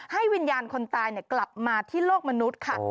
วิญญาณคนตายกลับมาที่โลกมนุษย์ค่ะ